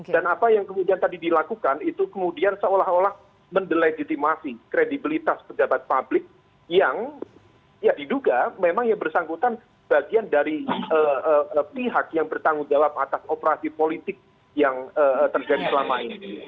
dan apa yang kemudian tadi dilakukan itu kemudian seolah olah mendelegitimasi kredibilitas pejabat publik yang ya diduga memang ya bersangkutan bagian dari pihak yang bertanggung jawab atas operasi politik yang terjadi selama ini